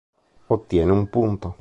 Ottiene un punto.